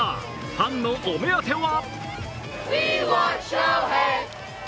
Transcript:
ファンのお目当ては？